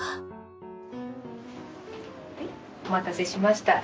お待たせしました。